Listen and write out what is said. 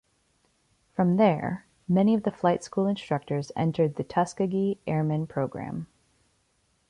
From there, many of the flight school instructors entered the Tuskegee Airmen Program.